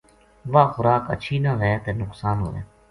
واہ خوراک ہچھی نہ وھے تے نقصان ہووے۔